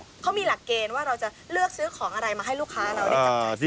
เขามีหลักเกณฑ์ว่าเราจะเลือกซื้อของอะไรมาให้ลูกค้าเราได้กลับมาสิ